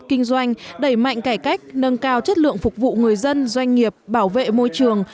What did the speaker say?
kinh doanh đẩy mạnh cải cách nâng cao chất lượng phục vụ người dân doanh nghiệp bảo vệ môi trường